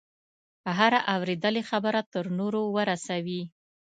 هره اورېدلې خبره تر نورو ورسوي.